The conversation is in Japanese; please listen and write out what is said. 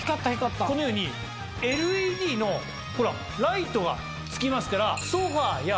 このようにＬＥＤのライトがつきますから。